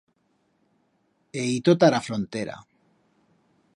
He ito ta ra frontera.